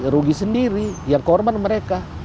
rugi sendiri yang korban mereka